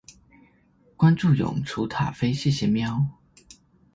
關註永雛塔菲謝謝喵